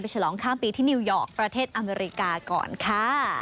ฉลองข้ามปีที่นิวยอร์กประเทศอเมริกาก่อนค่ะ